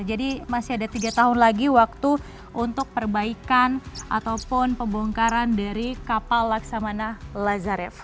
jadi masih ada tiga tahun lagi waktu untuk perbaikan ataupun pembongkaran dari kapal laksamana lazarev